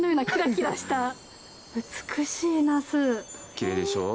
きれいでしょう。